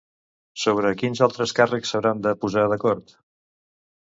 Sobre quins altres càrrecs s'hauran de posar d'acord?